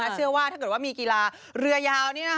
เชื่อว่าถ้าเกิดว่ามีกีฬาเรือยาว